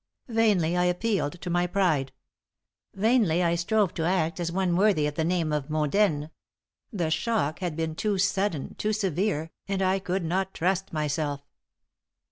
Vainly I appealed to my pride. Vainly I strove to act as one worthy of the name of mondaine. The shock had been too sudden, too severe, and I could not trust myself.